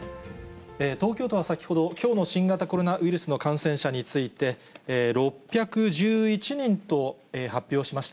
東京都は先ほど、きょうの新型コロナウイルスの感染者について、６１１人と発表しました。